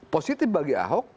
positif bagi ahok